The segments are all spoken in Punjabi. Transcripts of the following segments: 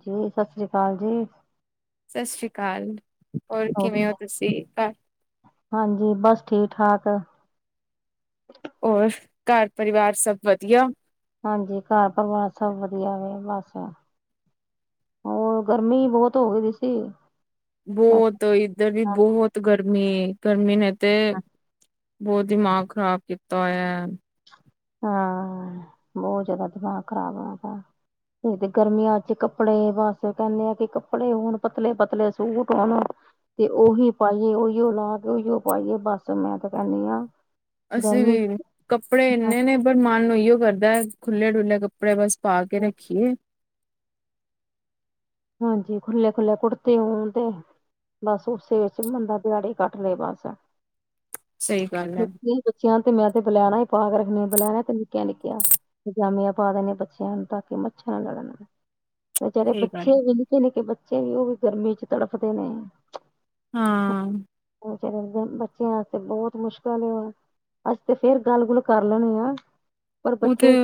ਜੀ ਸਤਿ ਸ੍ਰੀ ਅਕਾਲ ਜੀ ਸਤਿ ਸ੍ਰੀ ਅਕਾਲ ਹੋਰ ਕਿਵੇਂ ਹੋ ਤੁਸੀਂ ਘਰ ਹਾਂਜੀ ਬਸ ਠੀਕ ਠਾਕ ਹੈ ਹੋਰ ਘਰ ਪਰਿਵਾਰ ਸਭ ਵਧੀਆ। ਹਾਂਜੀ ਘਰ ਪਰਿਵਾਰ ਸਭ ਵਧੀਆ ਵੇਂ ਬਸ, ਹੋਰ ਗਰਮੀ ਬਹੁਤ ਹੋ ਗਈ ਸੀ। ਬਸ ਬਹੁਤ ਇੱਧਰ ਵੀ ਬਹੁਤ ਗਰਮੀ [unintelligible] ਤੇ ਬਹੁਤ ਦਿਮਾਗ ਖ਼ਰਾਬ ਕੀਤਾ ਹੋਇਆ। ਹਾਂ ਬਹੁਤ ਜ਼ਿਆਦਾ ਦਿਮਾਗ ਖ਼ਰਾਬ ਹੋਇਆ ਦਾ, ਤੇ ਗਰਮੀਆਂ ਚ ਕੱਪੜੇ ਬਸ ਕਹਿੰਦੇ ਆ ਕਿ ਕੱਪੜੇ ਹੋਣ ਪਤਲੇ ਪਤਲੇ, ਸੂਟ ਹੋਣ ਤੇ ਉਹੀ ਪਾਈਏ, ਉਹੀਓ ਲਾ ਕੇ ਉਹੀਓ ਪਾਈਏ, ਬਸ ਮੈਂ ਤੇ ਕਹਿੰਦੀ ਆ। ਅਸੀਂ ਵੀ ਕੱਪੜੇ ਇੰਨੇ ਨੇ ਪਰ ਮਨ ਓਹੀਓ ਕਰਦਾ, ਖੁੱਲ੍ਹੇ-ਡੁੱਲ੍ਹੇ ਕੱਪੜੇ ਬਸ ਪਾ ਕੇ ਰੱਖੀਏ। ਹਾਂਜੀ ਖੁੱਲੇ-ਖੁੱਲੇ ਕੁੜਤੇ ਹੋਣ ਤੇ, ਬਸ ਉਸੇ ਵਿੱਚ ਬੰਦਾ ਦਿਹਾੜੀ ਕੱਟ ਲਏ ਬਸ। ਸਹੀ ਗੱਲ ਹੈ ਕਿਉਂਕਿ ਬੱਚਿਆਂ ਤੇ ਮੈਂ ਤੇ ਬੁਲੈਣਾ ਹੀ ਪਾ ਕੇ ਰੱਖਣੀਆ ਬਲੈਣਾ ਤੇ ਨਿੱਕੀਆ-ਨਿੱਕੀਆਂ, ਪਜਾਮੀਆਂ ਪਾ ਦੇਣੀਆ ਬੱਚਿਆਂ ਨੂੰ ਤਾਂ ਕਿ ਮੱਛਰ ਨਾ ਲੜਨ। ਓ ਜੜੇ, ਬ! ਸਹੀ ਗੱਲ ਛੇ ਹੈ ਹੋ ਨਿੱਕੇ ਨਿੱਕੇ ਬੱਚੇ ਬੱਚੇ ਵੀ ਉਹ ਵੀ ਗਰਮੀ ਚ ਤੜਫਦੇ ਨੇ। ਹਾਂ ਬੱਚਿਆਂ ਵਾਸਤੇ ਬਹੁਤ ਮੁਸ਼ਕਿਲ ਅੱਸੀਂ ਤੇ ਫੇਰ ਗੱਲ ਗੁੱਲ ਕਰ ਲੈਣੇ ਆ। ਪਰ ਉਹ ਤੇ ਬੱਚੇ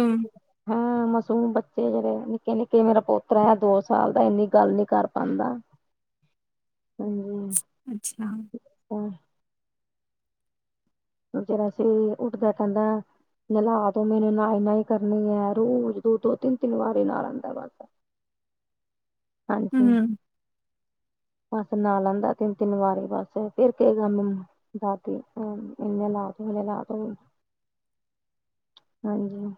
ਹਾਂ ਮਾਸੂਮ ਬੱਚੇ ਜਿਹੜੇ ਨਿੱਕੇ-ਨਿੱਕੇ ਮੇਰਾ ਪੋਤਰਾ ਆ ਦੋਸਤ ਸਾਲ ਦਾ ਇੰਨੀ ਗੱਲ ਨੀ ਕਰ ਪਾਉਂਦਾ ਹਾਂਜੀ ਅੱਛਾ ਜਰਾ ਸੀਂ ਉੱਠਦਾ ਕਹਿੰਦਾ ਨਾਹਲਾ ਦੋ ਮੈਨੂੰ ਨਾਈ- ਨਾਈ ਕਰਨੀ ਹੈ ਰੋਜ਼ ਦੋ -ਦੋ ਤਿੰਨ- ਤਿੰਨ ਵਾਰੀ ਨਾਹ ਲੈਂਦਾ ਬਸ ਹਾਂਜੀ ਹਮ ਬੱਸ ਨਹਾ ਲੈਂਦਾ ਤਿੰਨ ਤਿੰਨ ਵਾਰੀ ਬਸ ਫਿਰ ਕਹੇਗਾ ਮੈਨੂੰ ਦਾਦੀ ਨੇਹਲਾ ਦੇ ਨੇਹਲਾ ਦੇ ।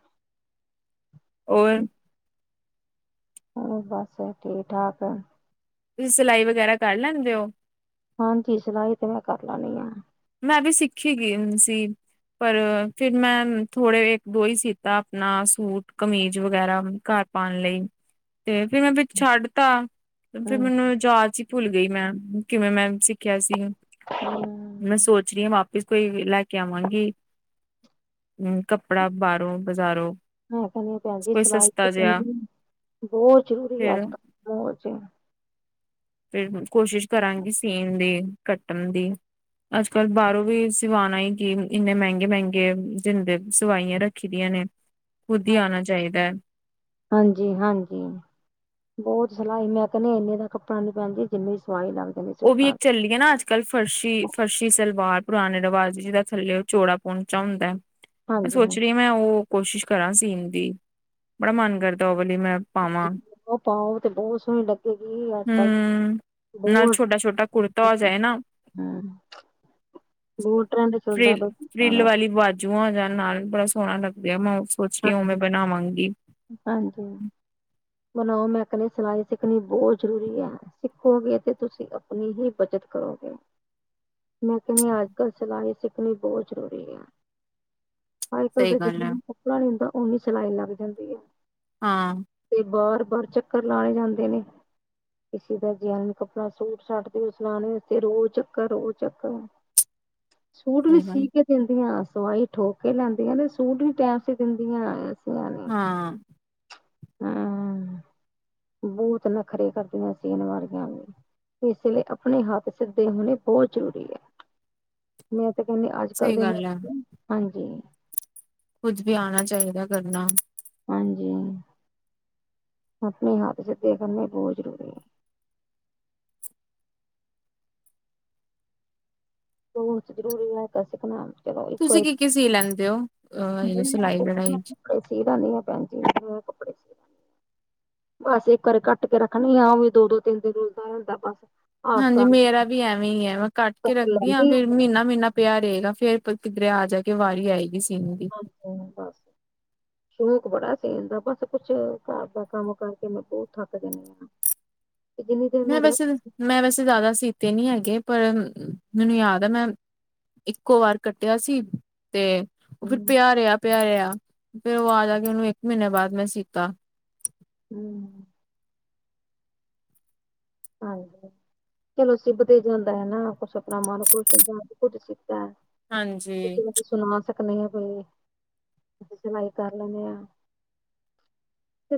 ਔਰ ਹੋਰ ਬਸ ਠੀਕ ਠਾਕ ਏ ਤੁਸੀਂ ਸਿਲਾਈ ਵਗੈਰਾ ਕਰ ਲੈਂਦੇ ਹੋ? ਹਾਂਜੀ ਸਲਾਹੀ ਤੇ ਮੈਂ ਕਰ ਲੈਣੀ ਆ। ਮੈਂ ਵੀ ਸਿੱਖੀ ਗਈ ਸੀ ਪਰ ਫਿਰ ਮੈਂ ਥੋੜ੍ਹੇ ਇੱਕ ਦੋ ਹੀ ਸੀਤਾ ਆਪਣਾ ਸੂਟ ਕਮੀਜ਼ ਵਗੈਰਾ ਘਰ ਪਾਉਣ ਲਈ ਤੇ ਫਿਰ ਮੈਂ ਛੱਡ ਤਾ ਫਿਰ ਹੂੰ ਮੈਨੂੰ ਜਾਚ ਭੁੱਲ ਗਈ ਮੈਂ, ਕਿਵੇਂ ਮੈਂ ਸਿੱਖਿਆ ਸੀ। [inaudible] ਮੈਂ ਸੋਚ ਰਹੀ ਆਂ ਵਾਪਿਸ ਪਈ ਹੋਈ ਲੈ ਕੇ ਆਵਾਂਗੀ। ਅਮ, ਕੱਪੜਾ ਬਾਹਰੋਂ ਬਾਜ਼ਾਰੋਂ ਬੋਤ ਕੋਈ ਸਸਤਾ ਜਿਹਾ ਜ਼ਰੂਰੀ ਆ ਫਿਰ ਅੱਜ ਕੱਲ। ਫੇਰ ਹੁਨ। ਕੋਸ਼ਿਸ਼ ਕਰਾਂਗੀ ਸੀਣ ਦੀ ਕੱਟਣ ਦੀ ਅੱਜ ਕੱਲ ਬਾਹਰੋਂ ਵੀ ਸਵਾਣਾ ਹੀ ਕਿ ਇੰਨੇ ਮਹਿੰਗੇ ਮਹਿੰਗੇ ਜਿੰਦੇ ਸਵਾਈਆਂ ਰੱਖੀ ਦੀਆਂ ਨੇ ਖੁਦ ਹੀ ਹਾਂਜੀ, ਆਉਣਾ ਚਾਹੀਦਾ ਹੈ। ਹਾਂਜੀ-ਹਾਂਜੀ ਬਹੁਤ ਸਲਾਈ ਮੈਂ ਕਹਿਣੀ ਇੰਨੇ ਦਾ ਕੱਪੜਾ ਨ ਪੈਣਦੀਏ, ਜਿੰਨੀ ਸਵਾਈ ਲੱ ਉਹ ਵੀ ਇੱਕ ਚੱਲੀ ਏ ਨਾ ਅੱਜ ਕੱਲ੍ਹ ਫਰਸ਼ੀ ਫਰਸ਼ੀ ਸਲਵਾਰ। ਪੁਰਾਣੇ ਰਿਵਾਜ ਜਿਹਦਾ ਥੱਲੇ ਉਹ ਚੌੜਾ ਪਹੁੰਚਾ ਹੁੰਦਾ ਹੈ। ਮੈਂ ਸੋਚ ਹਾਂਜੀ-ਹਾਂਜੀ ਰਹੀਆ ਮੈਂ ਉਹ ਕੋਸ਼ਿਸ਼ ਕਰਾਂ ਸੀਣ ਦੀ, ਬੜਾ ਮਨ ਕਰਦਾ ਉਹ ਵਾਲੀ ਮੈਂ ਪਾਵਾਂ ਇਕ ਔ ਪਾਓ, ਤੇ ਬਹੁਤ ਸੋਹਣੀ ਲੱਗੇਗੀ ਅੱਜ ਕੱਲ ਬਹੁਤ ਛੋਟਾ-ਛੋਟਾ ਕੁਰਤਾ ਹੋ ਜਾਏ ਨਾ, ਹੂੰ ਬਹੁਤ ਟਰੈਂਡ ਚੱਲਦਾ ਫ੍ਰਿਲ, ਪਿਆ ਸੂਟਾਂ ਫ਼੍ਰਿਲ ਦਾ। ਵਾਲੀ ਬਾਜੂ ਜੂਆਂ ਜਾਣ ਨਾਲ, ਬੜਾ ਸੋਹਣਾ ਲੱਗਦੀ ਆ ਮੂੰਹ। ਸੋਚ ਰਹੀ ਹੂ ਹਾਂਜੀ। ਮੈਂ ਬਣਾਵਾਂਗੀ। ਹਾਂਜੀ, ਬਣਾਓ ਮੈਂ ਕਹਿਣੀ ਆ ਸਲਾਈ ਸਿੱਖਣੀ ਬਹੁਤ ਜ਼ਰੂਰੀ ਐ। ਸਿੱਖੋਗੇ ਤੇ ਤੁਸੀਂ ਆਪਣੀ ਹੀ ਬਚਤ ਕਰੋਗੇ। ਮੈਂ ਕਹਿਣੀ ਆਂ ਅੱਜ ਕੱਲ੍ਹ ਸਿਲਾਈ ਸਿੱਖਣੀ ਬਹੁਤ ਜ਼ਰੂਰੀ ਹੈ। ਅਜ ਕੱਲ ਸਹੀ ਦਾ ਜਿੰ ਗੱਲ ਹੈ ਕਪੜਾ ਨੀ ਹੁੰਦਾ ਓਨੀ ਸਿਲਾਈ ਲੱਗ ਜਾਂਦੀ ਆ ਹਾਂ। ਬਾਰ ਬਾਰ ਚੱਕਰ ਲਾਏ ਜਾਂਦੇ ਨੇ। ਕਿਸੇ ਦਾ ਕਿਆਨ ਕੱਪੜਾ ਸੂਟ ਸਾਟ ਤੁਸੀ ਸਵਾਣੇ ਤੇ ਰੋਜ਼ ਚੱਕਰ, ਰੋਜ਼ ਚੱਕਰ ਸੂਟ ਵੀ ਸਹੀ ਗੱਲ ਸੀ ਕੇ ਦਿੰਦੀ ਆ। ਸਵਾਈ ਠੋਕ ਕੇ ਲੈਂਦੀਆਂ, ਤੇ ਸੂਟ ਵੀ ਟਾਈਮ ਸੀ ਦਿੰਦੀਆਂ। ਹਾਂ ਅਹ ਬੋਤ ਨਖਰੇ ਕਰਦੀਆਂ ਸੀਨ ਵਾਲੀਆਂ ਵੀ। ਇਸ ਲਈ ਆਪਣੇ ਹੱਥ ਸਿੱਧੇ ਹੋਨੇ ਬੋਤ ਜ਼ਰੂਰੀ ਏ। ਮੈਂ ਤੇ ਕਹਿੰਦੇ ਅੱਜ ਕੱਲ ਸਹੀ ਦੇ ਮੌ ਹਾਂਜੀ ਕੁੱਝ ਵੀ ਆਣਾ ਚਾਹੀਦੈ ਕਰਨਾ। ਹਾਂਜੀ, ਆਪਣੇ ਹੱਥ [unintelligible] ਬਹੁਤ ਜ਼ਰੂਰੀ ਏ। ਬਹੁਤ ਜ਼ਰੂਰੀ ਆ ਕਾਸੇ ਬਣਾ ਤੁਸੀ ਕੀ-ਕੀ ਸੀ ਲੈਂਦੇ ਔ? ਅ ਇਹ ਜੋ ਸਲਾਈ-ਵਡਾਈ ਚ ਜਾਨਿ ਆ ਭੈਣ ਜੀ ਕੱਪੜੇ ਸਿੱਣੇ, ਬੱਸ ਇੱਕ ਵਾਰੀ ਕੱਟ ਕੇ ਰੱਖਣੀ ਆ, ਉਹ ਵੀ ਦੋ ਦੋ ਤਿੰਨ ਦਿਨ ਰੁਲਦਾ ਰਹਿਦਾ ਬਸ। ਹਾਂਜੀ ਆਸਤਾ ਮੇਰਾ ਵੀ ਐਵੇਂ ਹੀ ਹੈ ਮੈਂ ਕੱਟ ਕੇ ਕਰ ਰੱਖਦੀ ਹਾਂ ਲੈਂਦੀ ਆ ਫੇਿਰ ਮੈਂ ਮਹੀਨਾ ਮਹੀਨਾ ਪਿਆ ਰਹੇਗਾ ਫੇਿਰ ਕਿੱਧਰੇ ਆ ਜਾ ਕੇ ਵਾਰੀ ਆਏਗੀ ਸ ਹਾਂ ਬਸ ਸ਼ੌਕ ਬੜਾ। ਸੇਲ ਦਾ ਬਸ ਕੁੱਛ ਘਰ ਦਾ ਕੰਮ ਕਰਕੇ ਮੈਂ ਥੱਕ ਜਾਨੀ ਆ । ਮੈਂ ਵੈਸੇ, ਮੈਂ ਵੈਸੇ, ਜ਼ਿਆਦਾ ਸੀਤੇ ਨੀ ਹੈਗੇ। ਪਰ ਮੈਨੂੰ ਯਾਦ ਆ ਮੈਂ ਇੱਕੋ ਵਾਰ ਕੱਟਿਆ ਸੀ। ਤੇ ਉਹ, ਫਿਰ ਹੂੰ ਪਿਆ ਰਿਆ, ਪਿਆ ਰਿਆ। ਫੇਰ ਉਹ ਆ ਜਾ ਕੇ ਉਹਨੂੰ ਇੱਕ ਮਹੀਨੇ ਬਾਅਦ ਮੈਂ ਸੀਤਾ। ਹੂੰ ਹਾਂਜੀ, ਚਲੋ ਸਿਬ ਤੇ ਜਾਂਦਾ ਹੈ। ਨਾ ਕੁਛ ਆਪਣਾ ਮੰਨ ਖੁਸ਼ ਜਾਂ ਕੁੱਝ ਹਾਂਜੀ। [inaudible] ਸਲਾਈ ਕਰ ਲੈਣੇ ਆ।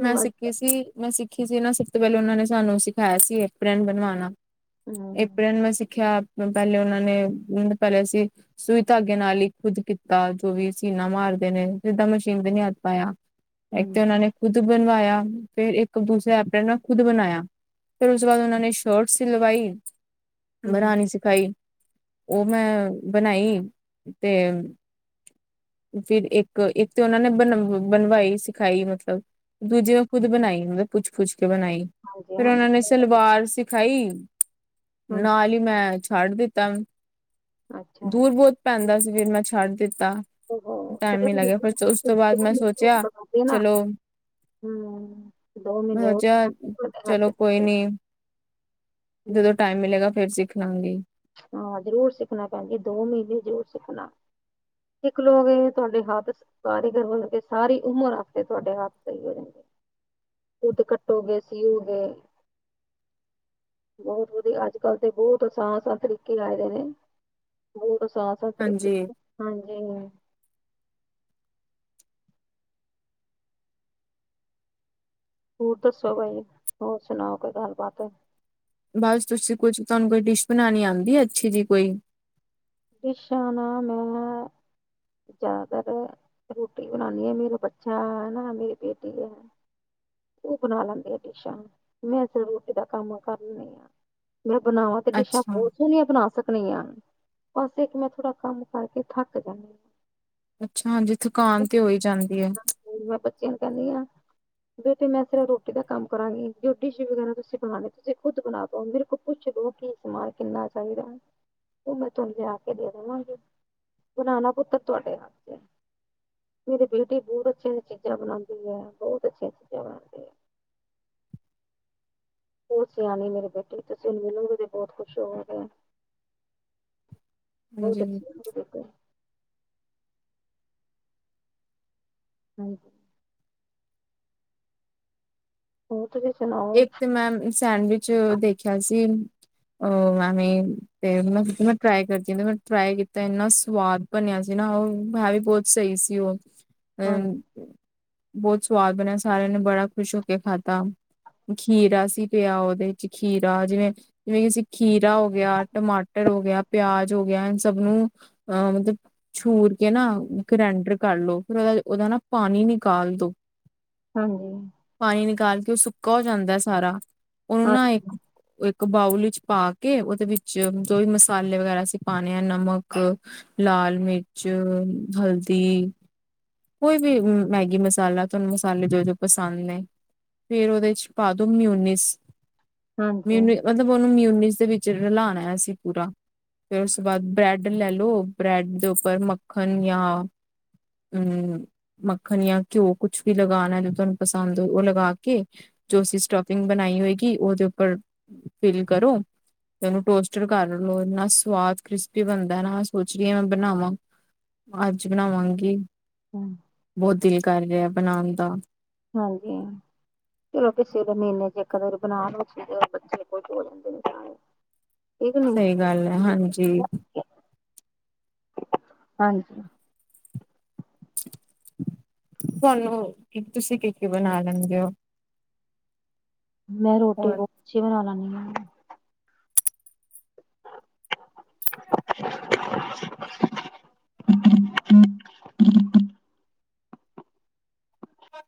ਮੈਂ ਸਿੱਖੀ ਸੀ, ਮੈਂ ਸਿੱਖੀ। ਕਿਸੀ ਨਾ ਸਭ ਤੋਂ ਪਹਿਲਾਂ ਉਹਨਾਂ ਨੇ ਸਾਨੂੰ ਸਿਖਾਇਆ ਸੀ, ਐਪਰਨ ਬਣਵਾਣਾ। ਹੂੰ ਅਪ੍ਰਿਨ ਮੈਂ ਸਿੱਖਿਆ ਪਹਿਲੇ ਉਹਨਾਂ ਨੇ ਪਹਿਲੇ ਅਸੀਂ ਸੂਈ ਧਾਗੇ ਨਾਲ ਹੀ ਕੁਝ ਕੀਤਾ ਜੋ ਵੀ ਸੀਣਾ ਮਾਰਦੇ ਨੇ ਸਿੱਧਾਂ ਮਸ਼ੀਨ ਤੇ ਨੀ ਹੱਥ ਪਾਇਆ। ਇਕ ਹੂੰ ਤੇ ਉਹਨਾ ਨੇ ਬਣਵਾਇਆ ਫਿਰ ਇੱਕ ਦੂਸਰੇ ਆਪਣੇ ਨਾ ਖੁਦ ਬਣਾਇਆ ਫਿਰ ਉਸ ਤੋਂ ਬਾਅਦ ਉਹਨਾਂ ਨੇ ਇਕ ਸ਼ਰਟ ਸਿਲਵਾਈ। ਹੂੰ ਬਣਾਉਣੀ ਸਿਖਾਈ। ਉਹ ਮੈਂ ਬਣਾਈ ਤੇ ਫਿਰ ਇੱਕ ਇੱਕ ਤੇ ਉਹਨਾਂ ਨੇ ਬਣ ਬਣਵਾਈ ਸਿਖਾਈ ਮਤਲਬ। ਦੂਜੇ ਮੈ ਖੁਦ ਬਣਾਈ ਹੁੰ ਪੁਛ ਖੁਸ਼। ਬਣਾਈ ਹਾਂਜੀ ਫਿਰ ਹਾਂਜੀ ਉਹਨਾਂ ਨੇ ਸਲਵਾਰ ਖਾਈ। ਹਾਂਜੀ ਨਾਲ ਹੀ ਮੈਚ। ਛੱਡ ਦਿੱਤਾ ਹੁਣ। ਅੱਛਾ ਦੂਰ ਅੱਛਾ ਬਹੁਤ ਪੈਂਦਾ ਸੀ, ਫਿਰ ਮੈਂ ਛੱਡ ਦਿੱਤਾ ਹੋ ਟਾਈਮ ਨੀ ਕਰਦੇ ਲੱਗਿਆ, ਫਿਰ ਉਸ ਤੋਂ ਬਾਅਦ ਮੈਂ ਸੋਚਿਆ ਨਾ ਚਲੋ ਹੂੰ ਦੋ ਮੈਂ ਮਹੀਨੇ ਉਹ ਸੋਚਿਆ ਤੁਹਾਡੇ ਹੱਥ ਚਲੋ ਚ ਕੋਈ ਨੀ ਹਮ, ਜਦੋਂ ਟਾਈਮ ਮਿਲੇਗਾ ਫੇ ਫਿਰ ਸਿੱਖ ਲਾਂ ਗੀ। ਹਾਂ, ਜ਼ਰੂਰ ਸਿੱਖਣਾ ਭੈਣ ਜੀ, ਦੋ ਮਹੀਨੇ ਜ਼ਰੂਰ ਸਿੱਖਣਾ। ਇੱਕ ਲੋਕ ਇਹ ਤੁਹਾਡੇ ਹੱਥ ਕਾਰੀਗਰ ਵਰਗੇ ਸਾਰੀ ਉਮਰ ਅਤੇ ਤੁਹਾਡੇ ਹੱਥ ਸਹੀ ਹੋ ਜਾਣਗੇ ਖੁਦ ਕੱਟੋਗੇ, ਸੀਓਗੇ ਬਹੁਤ ਵਧੀਆ ਅੱਜ ਕੱਲ ਤੇ ਬਹੁਤ ਆਸਾਨ ਤਰੀਕੇ ਆ ਗਏ ਨੇ ਹੁੰ ਬਸ ਸਾ ਸੁਥਰੀ ਹਾਂਜੀ ਹਾਂਜੀ। ਹੋਰ ਦੱਸੋ ਬਾਈ, ਹੋਰ ਸੁਣਾਓ, ਕੋਈ ਗੱਲਬਾਤ। ਬਸ ਤੁਸੀਂ ਕੁਝ ਤੁਹਾਨੂੰ ਕੋਈ ਡਿਸ਼ ਬਣਾਉਣੀ ਆਉਂਦੀ ਐ ਅੱਛੀ ਜੀ ਕੋਈ। ਡਿਸ਼ਾਂ ਨਾ ਮੈਂ ਜ਼ਿਆਦਾਤਰ ਰੋਟੀ ਬਣਾਣੀ ਆ ਮੇਰਾ ਬੱਚਾ ਐ ਨਾ ਮੇਰੀ ਬੇਟੀ ਐ ਉਹ ਬਣਾ ਲੈਂਦੀ ਆ ਡਿਸ਼ਾਂ। ਮੈਂ ਸਿਰਫ ਰੋਟੀ ਦਾ ਕੰਮ ਕਰ ਲੈਣੀ ਆ। ਮੈਂ ਬਣਾਵਾਂ ਤੇ ਡਿਸ਼ਾਂ ਅੱਛਾ ਬਹੁਤ ਸੋਹਣੀਆਂ ਬਣਾ ਸਕ ਨਹੀਂ ਆ। ਬਸ ਇਕ ਮੈਂ ਥੋੜਾ ਕੰਮ ਕਰਕੇ ਥੱਕ ਜਾਂਦੀ ਆ। ਅੱਛਾ ਹਾਂਜੀ, ਥਕਾਨ ਤੇ ਹੋ ਈ ਜਾਂਦੀ ਐ। ਜੇ ਤੇ ਮੈਂ ਸਿਰਫ ਰੋਟੀ ਦਾ ਕੰਮ ਕਰਾਂਗੀ। ਜੋ ਡਿਸ਼ ਵਗੈਰਾ ਤੁਸੀਂ ਬਣਾਣੀ, ਤੁਸੀਂ ਖੁਦ ਬਣਾ ਲੋ, ਮੇਰੇ ਕੋਲੋ ਪੁੱਛ ਲੋ- ਕੀ ਸਮਾਨ, ਕਿੰਨਾ ਚਾਹੀਦਾ ਹੈ। ਉਹ ਮੈਂ ਤੋਨੁ ਲਿਆ ਕੇ ਦੇ ਦੇਵਾਂਗੇ। ਬਣਾਣਾ ਪੁੱਤਰ ਤੁਹਾਡੇ ਹੱਥ ਹੈ। ਮੇਰੀ ਬੇਟੀ ਬਹੁਤ ਅੱਛੀਆਂ ਚੀਜ਼ਾਂ ਬਣਾਉਂਦੀ ਹੈ, ਬਹੁਤ ਅੱਛੀਆਂ ਚੀਜ਼ਾਂ ਬਣਾਉਂਦੀ ਹੈ। ਬਹੁਤ ਸਿਆਣੀ ਮੇਰੀ ਬੇਟੀ, ਤੁਸੀਂ ਉਹਨੂੰ ਮਿਲੋਗੇ ਤੇ ਬਹੁਤ ਖੁਸ਼ ਹੋਵੋਗੇ। ਬਹੁਤ ਹਾਂਜੀ। ਅੱਛੀ ਹੈ ਮੇਰੇ ਬੇਟੇ ਹਾਂਜੀ ਹੋਰ। ਤੁਸੀਂ ਸੁਣਾਓ ਇੱਕ ਤੇ ਮੈਂਮ ਸੈਂਡਵਿੱਚ ਦੇਖਿਆ ਸੀ। ਅ ਮੈਂ ਵੀ ਤੇ ਮੈਂ, ਮੈਂ ਟਰਾਈ ਕਰਦੀ ਆਂ ਤੇ ਮੈਂ ਟਰਾਈ ਕੀਤਾ, ਇਨਾ ਸਵਾਦ ਬਣਿਆ ਸੀ ਨਾ ਉਹ। ਹੈ ਵੀ ਬਹੁਤ ਸਹੀ ਸੀ ਉਹ। ਹਾਂਜੀ [unintelligible] ਬਹੁਤ ਸਵਾਦ ਬਣਿਆ, ਸਾਰਿਆਂ ਨੇ ਬੜਾ ਖੁਸ਼ ਹੋ ਕੇ ਖਾਦਾ। ਖੀਰਾ ਸੀ ਪਿਆ ਉਹਦੇ ਚ ਖੀਰਾ ਜਿਵੇਂ-ਜਿਵੇਂ ਅਸੀਂ ਖੀਰਾ ਹੋ ਗਿਆ, ਟਮਾਟਰ ਹੋ ਗਿਆ, ਪਿਆਜ ਹੋ ਗਿਆ, ਇਨ ਸਭ ਨੂੰ ਮਤਲਬ ਛੂਰ ਕੇ ਨਾ ਗ੍ਰੈਂਡਰ ਕਰ ਲੋ, ਫਿਰ ਉਹਦਾ-ਉਹਦਾ ਨਾ ਪਾਣੀ ਨਿਕਾਲ ਦੋ। ਹਾਂਜੀ ਪਾਣੀ ਨਿਕਾਲਕੇ [unintelligible] ਕੳ ਜਾਂਦਾ ਏ ਸਾਰਾ। ਉਨੁੰ ਹਾਂ ਨਾ ਇੱਕ ਇੱਕ ਬਾਊਲ ਵਿੱਚ ਪਾ ਕੇ, ਉਹਦੇ ਵਿੱਚ ਜੋ ਵੀ ਮਸਾਲੇ ਵਗੈਰਾ ਅਸੀਂ ਪਾਣੇ ਹੈ- ਨਮਕ, ਲਾਲ, ਮਿਰਚ, ਹਲਦੀ ਕੋਈ ਵੀ ਮੈਗੀ ਮਸਾਲਾ ਤੁਹਾਨੂੰ ਮਸਾਲੇ ਜੋ-ਜੋ ਪਸੰਦ ਨੇ, ਫਿਰ ਉਹਦੇ ਚ ਪਾਦੋ ਮਿਊਨਿਸ। ਹਾਂਜੀ ਮਿਊਨਿਸ, ਹਾਂ ਮਤਲਬ ਉਹਨੂੰ ਮਿਊਨਿਸ ਦੇ ਵਿੱਚ ਰਲਾਣਾ ਅਸੀਂ ਪੂਰਾ। ਫਿਰ ਉਸ ਤੋਂ ਬਾਅਦ ਬ੍ਰੈਡ ਲੈ ਲਓ ਬ੍ਰੈਡ ਦੇ ਉੱਪਰ ਮੱਖਣ ਯਾਂ ਹੂੰ, ਮੱਖਣ ਯਾਂ ਘਿਓ ਕੁਛ ਵੀ ਲਗਾ ਲੈਣ। ਤੁਹਾਨੂੰ ਪਸੰਦ ਏ, ਉਹ ਲਗਾ ਕੇ, ਜੋ ਅਸੀ ਸਟਫਿੰਗ ਬਣਾਈ ਹੋਏਗੀ ਉਹਦੇ ਉੱਪਰ ਫਿਲ ਕਰੋ ਤੇ ਉਹਨੂੰ ਟੋਸਟਰ ਕਰ ਲੋ। ਇੰਨਾ ਸਵਾਦ ਕ੍ਰਿਸਪੀ ਬਣਦਾ ਐ ਨਾ ਮੈਂ ਸੋਚ ਰਹੀ ਆਂ ਬਣਾਵਾਂ, ਅੱਜ ਬਣਾਵਾਂਗੀ। ਬਹੁਤ ਦਿਲ ਕ ਕਰ ਗਿਆ ਬਣਾਣ ਦਾ। ਹਾਂਜੀ। ਚਲੋ ਕਿਸੇ ਦਿਨ ਮਹੀਨੇ ਚ ਇੱਕ ਵਾਰੀ ਬਣਾ ਲਓ, ਜਿਦੇ ਨਾਲ ਬੱਚੇ ਖੁਸ਼ ਹੋ ਜਾਂਦੇ ਨੇ। [unintelligible] ਸਹੀ ਗੱਲ ਹੈ, ਹਾਂਜੀ। ਨੀ ਹਾਂਜੀ। ਤੁਹਾਨੂੰ ਤੁਸੀਂ ਕੀ-ਕੀ ਬਣਾ ਲੈਂਦੇ ਹੋ? ਮੈਂ ਰੋਟੀ ਹੋਰ ਬਹੁਤ ਅੱਛੀ ਬਣਾ ਲੈਂਦੀ ਆਂ। [inaudible]